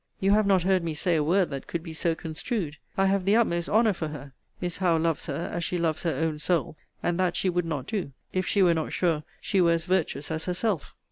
You have not heard me say a word that could be so construed. I have the utmost honour for her. Miss Howe loves her, as she loves her own soul; and that she would not do, if she were not sure she were as virtuous as herself.